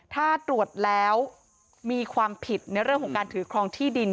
ถ้าตรวจแล้วมีความผิดในเรื่องของการถือครองที่ดิน